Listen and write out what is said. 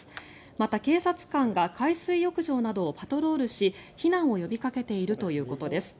また、警察官が海水浴場などをパトロールし避難を呼びかけているということです。